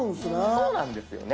そうなんですよね。